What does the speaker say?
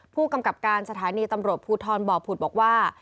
ผู้กำกับการสถานีตำรวจภูทรบ่อผุดบอกว่า